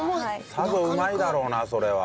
さぞうまいだろうなそれは。